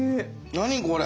何これ！